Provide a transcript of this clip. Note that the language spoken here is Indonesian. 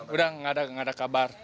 udah nggak ada kabar